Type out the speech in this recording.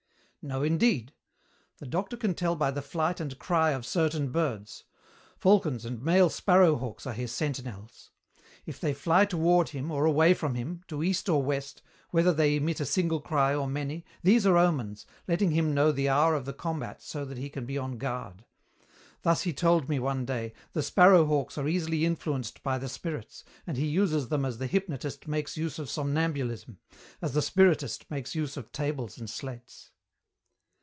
"No indeed. The doctor can tell by the flight and cry of certain birds. Falcons and male sparrow hawks are his sentinels. If they fly toward him or away from him, to East or West, whether they emit a single cry or many; these are omens, letting him know the hour of the combat so that he can be on guard. Thus he told me one day, the sparrow hawks are easily influenced by the spirits, and he uses them as the hypnotist makes use of somnambulism, as the spiritist makes use of tables and slates."